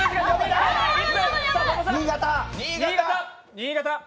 新潟！